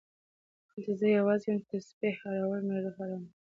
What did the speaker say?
کله چې زه یوازې یم، د تسبېح اړول مې روح اراموي.